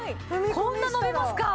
こんな伸びますか！